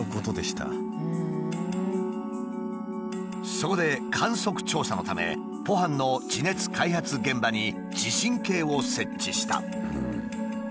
そこで観測調査のためポハンの地熱開発現場に地震計を設置した。